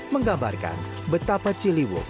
menggambarkan betapa ciliwung